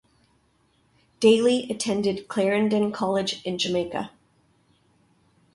Daley attended Clarendon College in Jamaica.